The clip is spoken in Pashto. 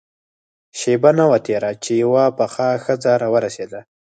شېبه نه وه تېره چې يوه پخه ښځه راورسېده.